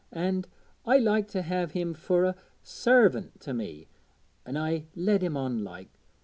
An' I liked to have him fur a sarvint to me, an' I led him on like.